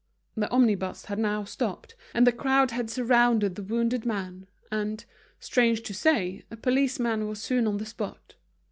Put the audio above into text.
The omnibus had now stopped, and the crowd had surrounded the wounded man, and, strange to say, a policeman was soon on the spot.